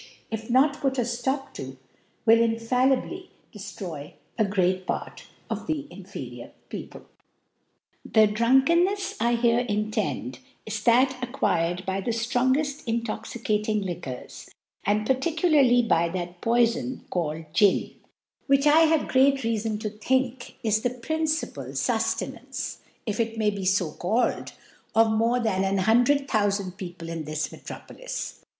( 2S ) ^idi, if not put a Scop to, will infallibly dcftroy a great Part of the inferiour People. The Drunkennefs I here intend, is that acquired by the ilrongeO: intoxicating^ Li quors, and particularly by that Poifpn called Gin ; which, I have great reafon to think, is the principal Suftenance (if it may b#ifo> called) of more than an hundred thou iand People in this Metropolis.